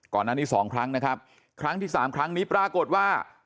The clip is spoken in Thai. ก่อนหน้านี้สองครั้งนะครับครั้งที่สามครั้งนี้ปรากฏว่า